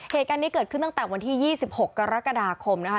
เหตุการณ์นี้เกิดขึ้นตั้งแต่วันที่๒๖กรกฎาคมนะคะ